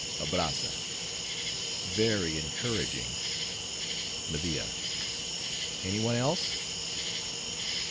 ABRAZZA—Very encouraging. MEDIA—Any one else?